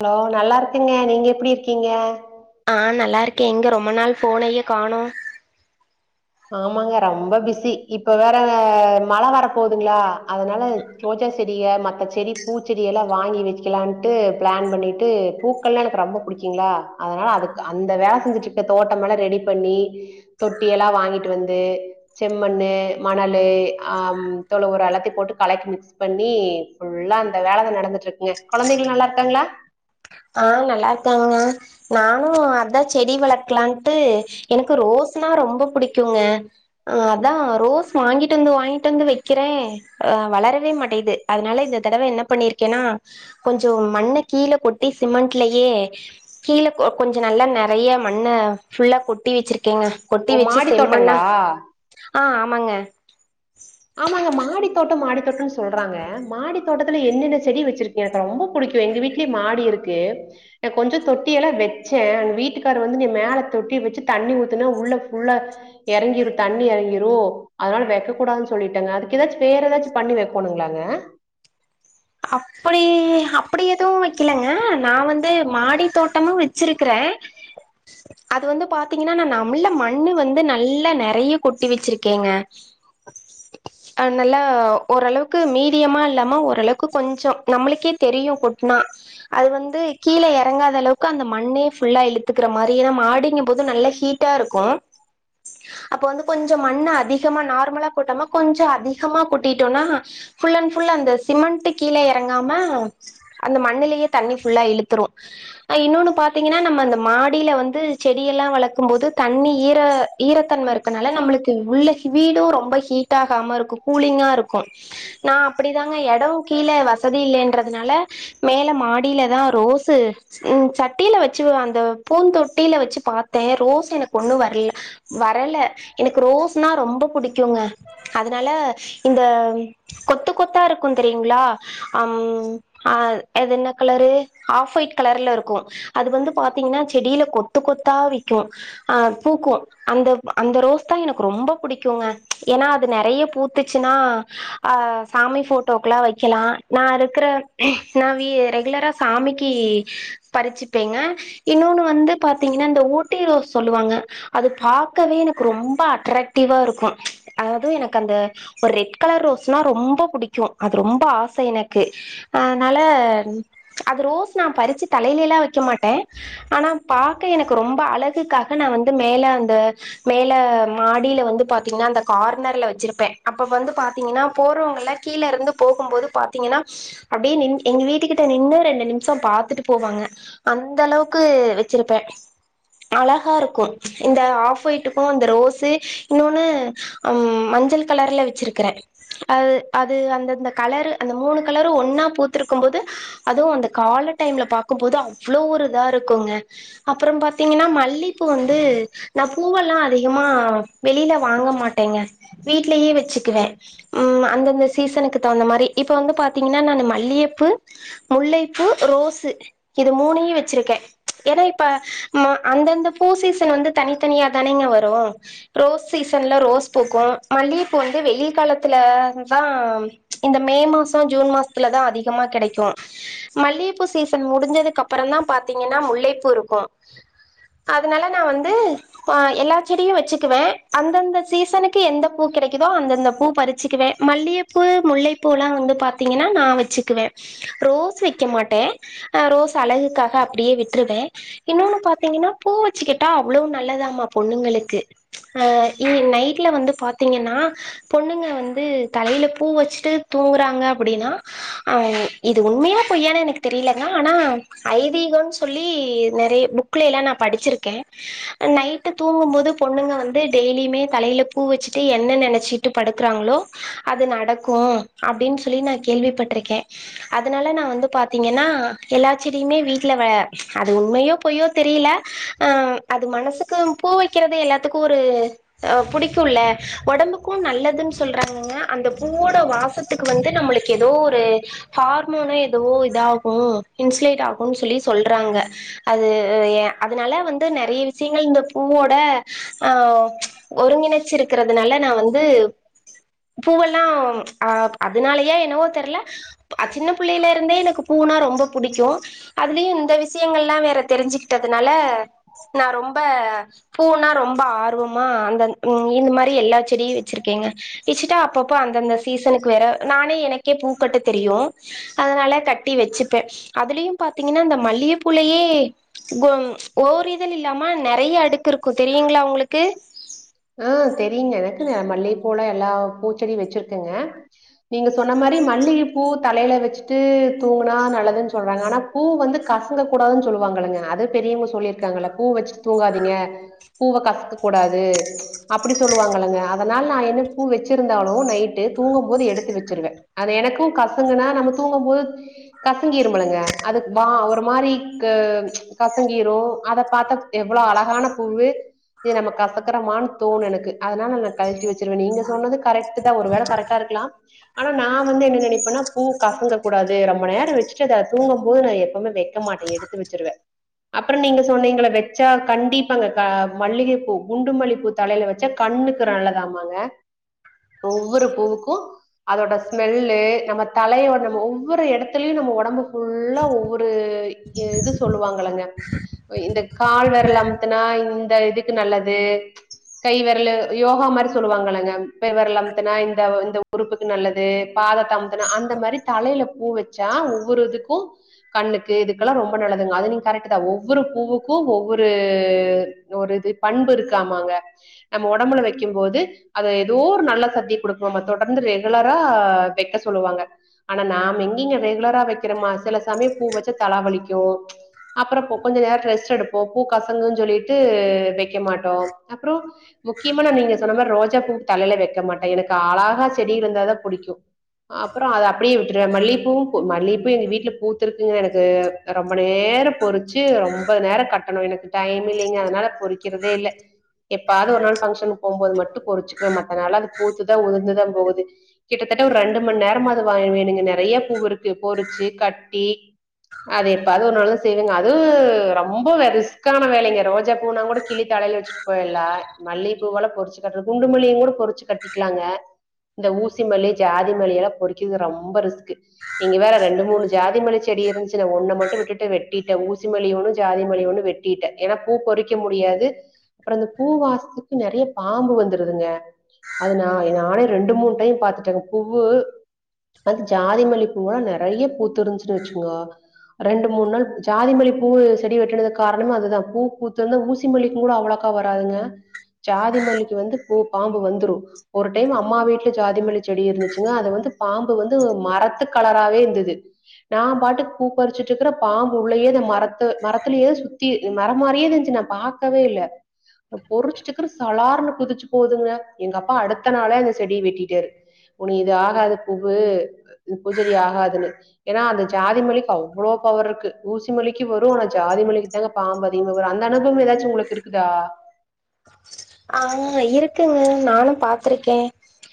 hello நல்லா இருக்குங்க நீங்க எப்டி இருக்கீங்க ஆ நல்லாருக்கே எங்க ரொம்ப நாள் ஃபோன்னயே காணோ ஆமாங்க ரொம்ப பிஸி இப்ப வேற மழ வர போதுங்ளா அதனால ரோஜா செடிக மத்த செடி பூச்செடி எல்லா வாங்கி வச்சுக்கலான்டு பிளான் பண்ணிட்டு பூக்கள்லா எனக்கு ரொம்ப புடிக் கிங்ளா அதுனால அதுக் அந்த வேல செஞ்சுட்ருக்க தோட்ட மெல்லா ரெடி பண்ணி தொட்டி எல்லா வாங்கி வந்து செம்மண்ணு மணலு ஆ தொழு ஒரம் எல்லாத்தையும் போட்டு களக்கி மிக்ஸ் பண்ணி ஃபுல்லா அந்த வேலதா நடந்துட் இருக்குங்க கெழந்தைகள் நல்லாருக்காங்ளா ஆ நல்லா இருக்காங்கங்க நானு அதா செடி வளக்கலான்ட்டு எனக்கு ரோஸ்னா ரொம்ப புடிக்குங்க ஆ அதா ரோஸ் வாங்கிட்டு வந்து வாங்கிட்டு வந்து வக்கிறே அ வளரவே மாட்டிகிது அதுனால இந்த தடவ என்ன பண்ணிருக்கேன்னா கொஞ்சோ மண்ண கீழ கொட்டி சிமெண்ட்லயே கீழ கோ கொஞ்ச நல்லா நெறைய மண்ண ஃபுல்லா கொட்டி வச்சுருக்கேங்க கொட்டி ஓ வச்சு மாடி செம்மண்ணா தோட்டங்களா ஆ ஆமாங்க ஆமாங்க மாடி தோட்டோ மாடி தோட்டோனு சொல்றாங்க மாடி தோட்டத்துல என்னென்ன செடி வச்சிரு எனக் ரொம்ப புடிக்கு எங்க வீட்லயூ மாடி இருக்கு கொஞ்ச தொட்டி எல்லா வச்சே எங்க வீட்டுக்காரு வந்து நீ மேல தொட்டி வச்சு தண்ணி ஊத்தினா உள்ள ஃபுல்லா எறங்கிரு தண்ணி எறங்கிரு அதுனால வக்க கூடாது சொல் சொல்லிட்டாங்க அதுக்கு ஏதாச்சு வேற ஏதாச்சு பண்ணி வக்கோணுங்ளாங்க அப்டி அப்டி எதுவு வைக்கலங்க நா வந்து மாடி தோட்டமா வச்சுருக்குறே [inaudible] அது வந்து பாத்தீங்கன்னா நா நம்முல்ல மண்ணு வந்து நல்லா நெறைய கொட்டி வச்சிருக்கேங்க அ நல்லா ஓரளவுக்கு மீடியமா இல்லாம ஓரளவுக்கு கொஞ்சோ நம்மளுக்கே தெரியு கொட்னா அது வந்து கீழ எறங்காத அளவுக்கு அந்த மண்ணே ஃபுல்லா இழுத்துக்கிற மாரியேதா மாடிங்க போது நல்லா ஹீட்டாருக்கு அப்ப வந்து கொஞ்சோ மண்ண அதிகமா நார்மலா கொட்டாம கொஞ்சோ அதிகமா கொட்டிட்டோன்னா ஃபுல் அண் ஃபுல் அந்த சிமெண்ட்டுக் கீழ எறங்காம அந்த மண்ணுலயே தண்ணி ஃபுல்லா இழுத்துரும் அ இன்னோன்னு பாத்தீங்கன்னா நம்ம அந்த மாடில வந்து செடி எல்லா வளக்கும் போது தண்ணி ஈர ஈரத்தன்மை இருக்கனால நம்மளுக்கு உள்ள வீடும் ரொம்ப ஹீ டாகாம இருக்கும் கூலிங்கா இருக்கும் நா அப்டிதாங்க எடோம் கீழ வசதி இல்லேன்றதுனால மேல மாடில தா ரோஸ் சட்டில வ வச்சு அந்த பூந்தொட்டில வச்சு பாத்தே ரோஸ் எனக்கு ஒண்ணு வர்ல வரல எனக்கு ரோஸ்னா ரொம்ப புடிக்குங்க அதுனால இந்த கொத்து கொத்தா இருக்கும் தெரியு ங்ளா அது என்ன கலரு ஹாஃப் ஒயிட் கலர்ல இருக்கும் அது வந்து பாத்தீங்கன்னா செடில கொத்து கொத்தா விக்கும் ஆ பூக்கும் அந்த அந்த ரோஸ் தா எனக்கு ரொம்ப புடிக்குங்க ஏன்னா அது நெறைய பூத்துச்சுன்னா ஆ சாமி போட்டோக் லா வைக்கலாம் நா இருக்குற நா வீ ரெகுலரா சாமிக்கி பறிச்சுப்பேங்க இன்னோன்னு வந்து பாத்தீங்கன்னா இந்த ஊட்டி ரோஸ் சொல்லுவாங்க அது பாக்கவே எனக்கு ரொம்ப அட்ராக்டிவா இருக்கும் அதாது எனக் அந்த ஒரு ரெட் கலர் ரோஸ்னா ரொம்ப புடிக்கும் அது ரொம்ப ஆச எனக்கு அதுனால அது ரோஸ் நா பறிச்சு தலைல லா வைக்க மாட்டே ஆனா பாக்க எனக்கு ரொம்ப அழகுக்காக நா வந்து மேல அந்த மேல மாடில வந்து பாத்தீங்கனா அந்த கார்னர்ல வச்சிருப்பே அப்ப வந்து பாத்தீங்கனா போறவங்கள கீழருந்து போகும்போது பாத்தீங்கனா அப்டியே நின் எங்க வீட்டு கிட்ட நின்னு ரெண்டு நிமிஷொ பாத்துட்டு போவாங்க அந்தளவுக்கு வச்சிர்ப்பே அழகாருக்கு இந்த ஆஃப் ஒய்ட்டுக்கு இந்த ரோஸு இன்னொன்னு ம் மஞ்சள் கலர்ல வச்சிருக்கிறேன் அது அது அந்தந்த கலரு அந்த மூணு கலரு ஒன்னா பூத்துருக்கும்போது அதுவு அந்த கால்ல டைம்ல பாக்கும் போது அவ்ளோ ஒரு இதுவா இருக்குங்க அப்றோம் பாத்தீங்கன்னா மல்லிப்பூ வந்து நா பூவல்லா அதிகமா வெளில வாங்க மாட்டேங்க வீட்லயே வெச்சுக்குவே ம் அந்தந்த சீசனுக்கு தகுந்த மாரி இப்ப வந்து பாத்தீங்கன்னா நானு மல்லியப்பூ முல்லைப்பூ ரோஸு இது மூனயு வச்சிருக்கே ஏன்னா இப்ப மோ அந்தந்த பூ சீசன் வந்து தனித்தனியா தானேங்க வரு ரோஸ் சீசன்ல ரோஸ் பூக்கூ மல்லிப்பூ வந்து வெயில் காலத்துல தா இந்த மே மாசோ ஜூன் மாசத்துல தா அதிகமா கெடைக்கு மல்லியப்பூ சீசன் முடிஞ்சதுக்கப்பறந்தா பாத்தீங்கன்னா முல்லைப்பூருக்கு அதனால நா வந்து ஆ எல்லா செடியு வச்சுக்குவே அந்தந்த சீசனுக்கு எந்த பூ கெடைக்குதோ அந்தந்த பூ பறிச்சுக்குவே மல்லியப்பூ முல்லைப்பூலா வந்து பாத்தீங்கன்னா நா வெச்சுக்குவே ரோஸ் வெக்க மாட்டே ஆஹ் ரோஸ் அழகுக்காக அப்டியே விட்ருவே இன்னொன்னு பாத்தீங்கன்னா பூ வச்சுக்கிட்டா அவ்ளோ நல்லதாமா பொண்ணுங்களுக்கு அ இ நைட்ல வந்து பாத்தீங்கன்னா பொண்ணுங்க வந்து தலையில பூ வச்சு ட்டு தூங்குறாங்க அப்டினா ஆ இது உண்மையா பொய்யானு எனக்கு தெரிலங்க ஆனா ஐதீகோன்னு சொல்லி நறைய புக் புக்குல எல்லா நா படிச்சிருக்கே நைட்டு தூங்கும் போது பொண்ணுங்க வந்து டெய்லியுமே தலையில பூ வச்சுட்டு எண்ணெ நெனச்சி ட்டு படுக்றாங்களோ அது நடக்கு அப்டின் சொல்லி நா கேள்விப்பட்ருக்கே அதனால நா வந்து பாத்தீங்கனா எல்லா செடியுமே வீட்ல வ அது உண்மையோ பொய்யோ தெரியில ஆ அது மனசுக்கு பூ வைக்கிறது எல்லாத்துக்கு ஒரு அஹ் புடிக்கும்ல ஒடம்புக்கு நல்லதுன்னு சொல்றாங்கங்க அந்த பூவோட வாசத்துக்கு வந்து நம்முளுக்கு எதோ ஒரு ஹார்மோனொ எதுவோ இதாகு இன்சுலேட் ஆகுன் சொல்லி சொல்றாங்க அது அதனால வந்து நெறைய விஷயங்கள் இந்த பூவோட ஆ ஒருங்கிணைச்சு இருக்கறதுனால நா வந்து பூவல் அஹ் அதனாலயா என்னவோ தெர்ல அ சின்ன புள்ளையிலருந்தே எனக்கு பூனா ரொம்ப புடிக்கு அதுலயு இந்த விஷயங்கல்லா வேற தெரிஞ்சுகிட்டதுனால நா ரொம்ப பூனா ரொம் ரொம்ப ஆர்வமா அந்த இந்த மாரி எல்லா செடியு வெச்சிருக்கேங்க வெச்சுட்டா அப்ப அப்ப அந்தந்த சீசனுக்கு வேற நானே எனக்கே பூக்கட்ட தெரியு அதனால கட்டி வெச்சுப்பே அதுலியு பாத்தீங்கன்னா இந்த மல்லிகைப்பூலையே கொம் ஓர் இதழ் இல்லாமா நெறைய அடுக்கு இருக்கு தெரியுங்ளா உங்ளுக்கு ஆ தெரிய்ங்க எனக்கு மல்லிகப்பூலா எல்லா பூச்செடியு வச்சிருக்கங்க நீங்க சொன்ன மாரி மல்லிகைப்பூ தலையில வச்சுட்டு தூங்குனா நல்லதுன்னு சொல்றாங்க அனா பூ வந்து கசங்க கூடாதுன் சொல்லுவாங்களங்க அது பெரியவங்க சொல்லியிருக்காங்கல பூ வச்சிட்டு தூங்காதீங்க பூவ கசக்க கூடாது அப்படி சொல்லுவாங்களங்க அதனால நா என்ன பூ வச்சிருந்தாலு நைட்டு தூங்கு போது எடுத்து வச்சிருவே அது எனக்கு கசங்குனா நம்ம தூங்கம்போது கசங்கிருமிழங்க அதுக் வா ஒரு மாரி க கசங்கிரு அத பாத்த எவ்ளோ அழகான பூவு இது நமக்கு கசக்கரமா தோணு எனக்கு அதனால நா கழட்டி வச்சிருவே நீங்க சொன்னது கரெக்ட்தா ஒரு வேல கரெக்ட் ட்டா இருக்லா ஆனா நா வந்து என்ன நெனப்பேனா பூ கசங்க கூடாது ரொம்ப நேரோ வச்சிட்டு அத தூங்கும்போது நா எப்பவுமே வெ க்கமாட்டே எடுத்து வச்சுருவே அப்றோ நீங்க சொன்னீங்களே வெச்சா கண்டிப்பாங்க மல்லிகப்பூ குண்டு மல்லிப்பூ தலையில வச்சா கண்ணுக்கு நல்லதாமாங்க ஒவ்வொரு பூவுக்கு அதோட ஸ்மெல்லு நம்ம தலையோட நம்ம ஒவ்வொரு எடத்துலயு நம்ம ஒடம்பு ஃபுல்லா ஒவ்வொரு இது சொல்லுவாங்களங்க இந்த கால் வெரல அமுத்துனா இந்த இதுக்கு நல்லது கை வெரலு யோகா மாரி சொல்லுவாங்களங்க பெரு வெரல அமுத்துனா இந்த இந்த உறுப்புக் நல்லது பாதத்தா அமுத்துனா அந்த மாரி தலையில பூ வச்சா ஒவ்வொருதுக்கு கண்ணுக்கு இதுகெல்லா ரொம்ப நல்லதுங்க அது நீ கரக்ட தா ஒவ்வொரு பூவுக் கு ஒவ்வொரு ஒரு இது பண்பு இருக்காமாங்க நம்ம ஒடம்புல வக்கிம் போது அது எதோ ஒரு நல்ல சத்தி கொடுக்குமாங்க தொடர்ந்து ரெகுலரா வெக்க சொல்லுவாங்க ஆனா நாம எங்கிங்க ரெகுலரா வெக்கிறோமா செல சமயோ பூ வச்சா தலாவலிக்கு அப்றோ கொஞ்சோ நேரோ ரெஸ்ட் எடுப்போ பூ கசங்குதுன்னு சொல்ட்டு வெக்க மாட்டோ அப்றோ முக்யமா நா நீங்க சொன்ன மாரி ரோஜா பூ தலையில வெக்க மாட்டே எனக்கு அழகா செடி இருந்தா தா புடிக்கு அப்றோ அத அப்டியே விட்ருவே மல்லிப்பூ மல்லிப்பூ எங்க வீட்ல பூத்துருக்குங்க எனக்கு ரொம்ப நேரோ பொறிச்சு ரொம்ப நேரோ கட்டணு எனக்கு டைம் இல்லிங்க அதனால பொறிக்கிறதே இல்ல எப்பாயாது ஒரு நாள் ஃபங்க்ஷனு போம்போது மட்டு பொரிச்சுக்குவே மத்தனாளுலா அது பூத்துதா உதிர்ந்துதா போகுது கிட்டத்தட்ட ஒரு ரெண்டு மண் நேரமாது வாங்கி வேணுங்க நெறய பூ இருக்கு பொரிச்சு கட்டி அது எப்பவாது ஒரு நாளு தா செய்வேங்க அதூ ரொம்ப ரிஸ்கான வேலைங்க ரோஜா பூனா கூட கிள்ளி தலையில வெச் சிட்டு பொய்ட்லா மல்லிகப்பூவெல்லா பொறிச்சு கட்டுற குண்டு மல்லிய கூட பொறிச்சு கட்டிக்லாங்க இந்த ஊசி மல்லி ஜாதி மல்லி எல்லா பொறிக்கற்து ரொம்ப ரிஸ்க்கு இங்க வேற ரெண்டு மூணு ஜாதி மல்லி செடி இருந்துச்சு நா ஒன்ன மட்டு விட்டு வெட்டிட்டே ஊசி மல்லி ஒன்னு ஜாதிமல்லி ஒண்ணு வெட்டிட்டே ஏனா பூ பொறிக்க முடியாது அப்றோ அந்த பூவாசத்துக்கு நெறய பாம்பு வந்துருதுங்க அது நா நானே ரெண்டு மூணு டைம் பாத்துட்டேங்க பூவு அது ஜாதி மல்லி பூவெல்ல நெறய பூத்து இருந்துச்சுன்னு வச்சுங்கோ ரெண்டு மூண் நாள் ஜாதிமல்லி பூவு செடி வெட்டுனதுக் காரணமா அதுதா பூ பூத்து இருந்தா ஊசி மல்லிக் கூட அவ்ளோக்கா வராதுங்க சாதி மல்லிக்கு வந்து பூ பாம்பு வந்ரு ஒரு டைம் அம்மா வீட்டு ஜாதிமல்லி செடி இருந்துச்சுங்க அது வந்து பாம்பு வந்து மரத்து கலராவே இருந்துது நா பாட்டுக் பூபறிச்சுட்ருக்கிற பாம்பு உள்ளேயேதா மரத் மரத்துல ஏ சுத்தி மரோ மாரியேதா இருந்துச்சு நா பாக்கவே இல்ல பொறிச்சுட்டுருக்க சலார்ன்னு குதிச்சு போதுங்க எங்க அப்பா அடுத்த நாளே அந்த செடிய வெட்டிட்டாரு ஒனு இது ஆகாத பூவூ இந்த பூ செடி ஆகாதுன்னு ஏன்னா அந்த ஜாதி மல்லிக்கு அவ்ளோ பவர்ருக்கு ஊசி மல்லி க்கு வரு ஜாதிமல்லிக்கு தாங்க பாம்பு அதிகமாக வரு அந்த அனுபவௌ ஏதாச்சு உங்ளுக்கு இருக்குதா ஆ இருக்குங்க நானு பாத்ருக்கே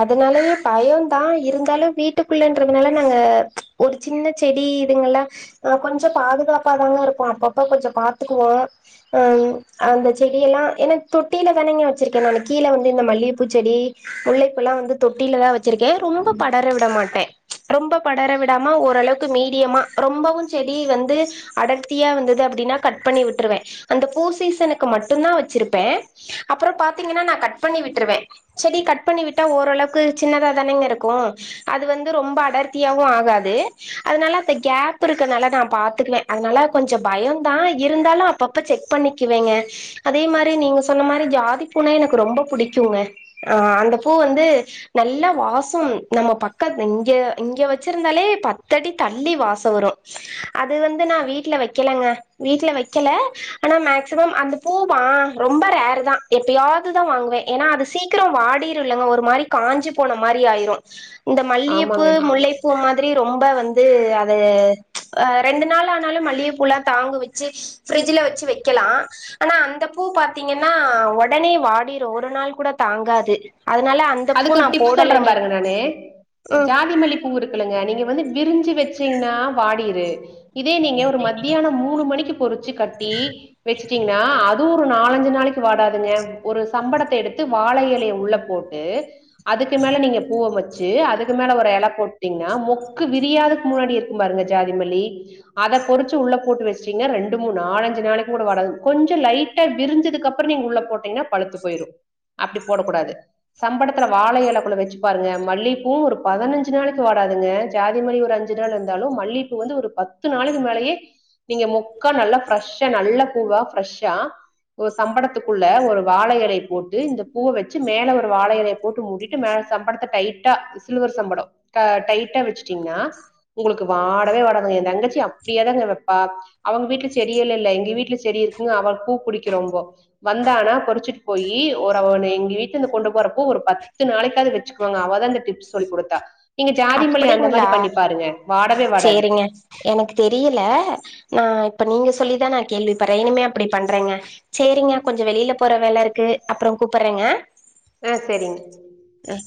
அதனாலயே பயோதா இருந்தாலு வீட்டுக்குள்ளன்றதுனால நாங்க ஒரு சின்ன செடி இதுங்கல்லா ஆ கொஞ்ச பாதுகாப்பா தாங்க இருப்போ அப்பப்ப கொஞ்ச பாத்துக்குவோ அ அந்த செடியெல்லா என்னங் தொட்டியில தானேங்க வச்சுருக்கே நானு கீழ வந்து இந்த மல்லியப் பூச்செடி முல்லைப் பூ எல்லா வந்து தொட்டியில தா வச் வச்சுருக்கே ரொம்ப படர விட மாட்டே ரொம்ப படர விடாம ஓரளவுக்கு மீடியமா ரொம்பவு செடி வந்து அடர்த்தியா வந்தது அப்டின்னா கட் பண்ணி விட்டுருவே அந்த பூ சீசனுக்கு மட்டுந்தா வச்சுருப்பே அப்பறோ பாத்தீங்கன்னா நா கட் பண்ணி விட்ருவே செடி கட் பண்ணி விட்டா ஓரளவுக்கு சின்னதா தானேங்க இருக்கு அது வந்து ரொம்ப அடர்த்தியாவு ஆகாது அதுனால அந்த கேப் இருக்கனால நா பாத்துக்குவே அதுனால கொஞ்ச பயோந்தா இருந்தாலு அப்பப்ப செக் பண்ணிக்குவேங்க அதே மாரி நீங்க சொ சொன்ன மாரி ஜாதி பூனா எனக்கு ரொம்ப புடிக்குங்க ஆ அந்த பூ வந்து நல்லா வாசம் நம்ம பக்கத்து இங்க இங்க வச்சுருந்தாலே பத்தடி தள்ளி வாசோ வரு அது வந்து நா வீட்ல வக்கெலங்க வீட்ல வெக்கல ஆனா மேக்சிமம் அந்த பூவா ரொம்ப அதா எப்பயாவதுதா வாங்குவே தா ஏன்னா அது சீக்கிரோ வாடிருல்லங்க ஒரு மாரி காஞ்சு போன மாரி ஆயிரும் இந்த மல்லியப் பூ ஆமாங்க முல்லை பூ மாதிரி ரொம்ப வந்து அது அ ரெண்டு நாள் ஆனாலும் மல்லியப் பூல்லா தாங்க வச்சு ப்ரிட்ஜ்ல வச்சு வெக்கெலா ஆனா அந்த பூ பாத் பாத்தீங்கன்னா ஒடனே வாடிரு ஒரு நாள் கூட தாங்காது அதுனால அந்த பூ அதுக்கு நா ஒரு டிப்ஸ் சொல்றே போடலைங்க பாருங்க நானு ம் ஜாதி மல்லி பூ இருக்குலங்க நீங்க வந்து விரிஞ்சு வச்சீங்கின்னா வாடியிரு இதே நீங்க ஒரு மத்தியானோ மூணு மணிக்கு பொறிச்சு கட்டி வெச்சுட்டீங்னா அது அதுவு ஒரு நாலஞ்சு நாளைக்கு வாடாதுங்க ஒரு சம்படத்த எடுத்து வாழ எலைய உள்ள போட்டு அதுக்கு மேல நீங்க பூவ வச்சு அதுக்கு மேல ஒரு எல போட்டீங்கன்னா முக்கு விரியாததுக்கு முன்னாடி இருக் கும் பாருங்க ஜாதிமல்லி அத பொறிச்சு உள்ள போட்டு வச்சட்டீங்ன்னா ரெண்டு மூணு நாலஞ்சு நாளைக்கு கூட வாடது கொஞ்சோ லைட் ட்டா விரிஞ்சதுக்கு அப்பறோ நீங்க உள்ள போட்டீங்கின்னா பழுத்து போயிரு அப்டி போடக் கூடாது சம்படத்துல வாழ எலக்குள்ள வச்சுப் பாருங்க மல்லியப் பூவு ஒரு பதுனஞ்சு நாளக்கு வாடதுங்க ஜாதி மல்லி ஒரு அஞ்சு அஞ்சு நாள் இருந்தாலும் மல்லியப்பூ வந்து ஒரு பத்து நாளைக்கு மேலயே நீங்க முக்கா நல்லா ஃப்ரெஷ்ஷா நல்ல பூவா ஃப்ரெஷ்ஷா ஒரு சம்படத்துக்குள்ள ஒரு வாழ எலய போட்டு இந்த பூவ வச்சு மேல ஒரு ப்றோ வாழ எலய போட்டு மூடிட்டு மேல சம்படத்த டைட்டா சில்வர் சம்படோ க்க டைட்டா வச்சுட்டீங்கன்னா உங்களுக்கு வாடவே வாடாதுங்க ஏ தங்கச்சி அப்டியேதானுங்க வெப்பா அவங்க வீட்ல செடியே இல்ல எங்க வீட்டுல செடி இருக்குங்கு அவ பூ புடிக்கு ரொம்போ வந்தானா பொறிச்சிட்டு போயி ஒரு அவன எங்க வீட்ல இருந்து கொண்டு போ க்கு வரப்போ ஒரு பத்து நாளக்காவது வச்சுக்குவாங்க அவதா இந்த டிப்ஸ் சொல்லி குடுத்தா நீங்க ஜாதி மல்லி அந்த மாரி அப்படிங்களா பண்ணி பாருங்க வாடவே வாடாது சேரிங்க எனக்கு தெரியல நா இப்ப நீங்க சொல்லிதா நா கேள்விப்பட்றே இனிமே அப்டி பண்றேங்க சேரிங்க கொஞ்ச வெளில போற வேல இருக்கு அப்பறோ கூப்புர்றேங்க அ செரிங்க அ